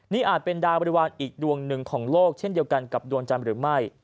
นี่อาจเป็นดาวบริวารอีกดวงหนึ่งของโลกเช่นเดียวกันกับดวงจันทร์หรือไม่